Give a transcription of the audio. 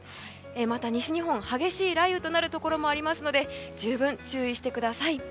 また西日本、激しい雷雨となるところもありますので十分注意してください。